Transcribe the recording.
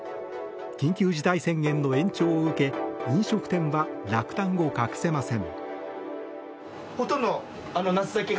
緊急事態宣言の延長を受け飲食店は、落胆を隠せません。